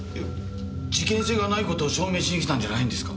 事件性がない事を証明しに来たんじゃないんですか？